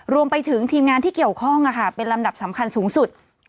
รวมไปถึงทีมงานที่เกี่ยวข้องเป็นลำดับสำคัญสูงสุด